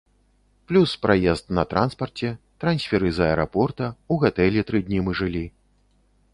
Плюс, праезд на транспарце, трансферы з аэрапорта, у гатэлі тры дні мы жылі.